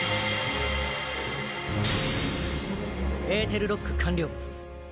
エーテルロック完了。